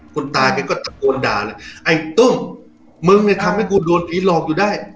คุณตาแกก็ตะโกนด่าเลยไอ้ตุ้มมึงเนี่ยทำให้กูโดนผีหลอกอยู่ได้